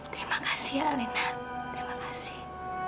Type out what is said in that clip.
terima kasih ya rena terima kasih